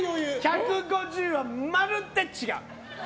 １５０はまるで違う！